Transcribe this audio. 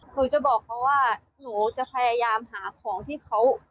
หนูจะบอกเขาว่าหนูจะพยายามหาของที่เขา